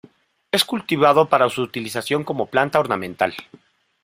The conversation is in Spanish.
Es cultivado para su utilización como planta ornamental.